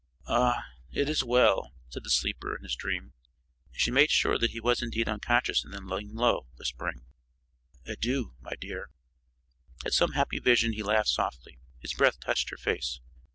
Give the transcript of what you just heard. "Ah, it is well," said the sleeper in his dream. She made sure that he was indeed unconscious and then leaned low, whispering: "Adieu, my dear." At some happy vision he laughed softly. His breath touched her face.